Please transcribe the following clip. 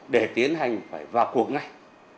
để tiến hành phải vào cuộc ngành